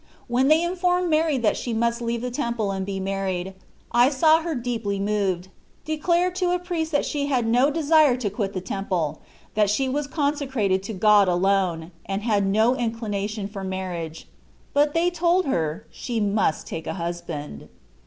When they informed Mary that she must leave the Temple and be married, I saw her deeply moved, declare to a priest that she had no desire to quit the Temple, that she was consecrated to God alone, and had no inclination for marriage : but they told her she must take a husband.